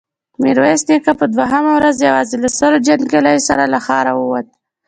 ميرويس نيکه په دوهمه ورځ يواځې له سلو جنګياليو سره له ښاره ووت.